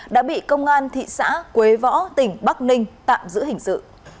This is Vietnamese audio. đã bị công an thị xã quế võ tỉnh bắc ninh tạm giữ hình sự